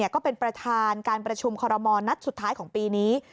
ก็เป็นประธานการประชุมคอรมอลนัดสุดท้ายของปีนี้